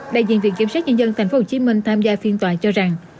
đại diện viện kiểm soát nhân dân thành phố hồ chí minh tham gia phiên tòa cho rằng